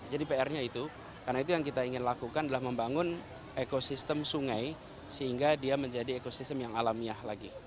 jadi prnya itu karena itu yang kita ingin lakukan adalah membangun ekosistem sungai sehingga dia menjadi ekosistem yang alamiah lagi